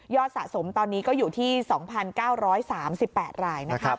ยอดสะสมตอนนี้ก็อยู่ที่๒๙๓๘รายนะครับ